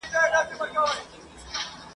او په ځغاسته سو روان د غار و لورته ..